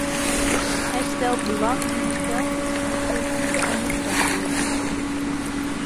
Hy stelt belang yn de Keltyske kultuer en literatuer.